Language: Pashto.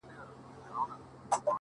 موږه يې ښه وايو پر موږه خو ډير گران دی _